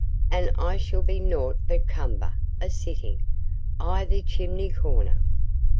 An' I shall be nought but cumber, a sittin' i' th' chimney corner.